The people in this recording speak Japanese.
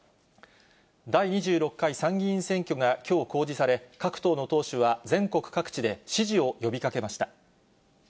第２６回参議院選挙がきょう公示され、各党の党首は、全国各地で支持を呼びかけました。